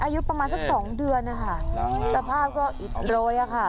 อายุประมาณสักสองเดือนนะคะสภาพก็อิดโรยอะค่ะ